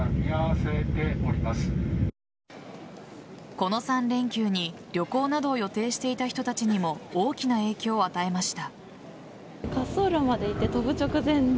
この３連休に旅行などを予定していた人たちにも大きな影響を与えました。